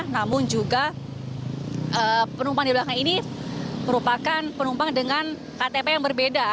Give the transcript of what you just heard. namun juga penumpang di belakang ini merupakan penumpang dengan ktp yang berbeda